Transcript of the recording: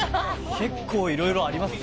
結構いろいろありますね。